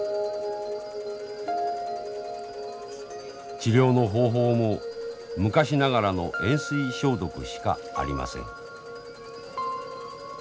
治療の方法も昔ながらの塩水消毒しかありません。